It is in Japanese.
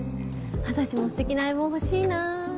私もすてきな相棒欲しいな。